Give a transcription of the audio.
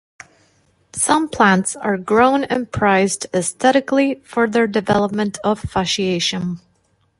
Some plants are grown and prized aesthetically for their development of fasciation.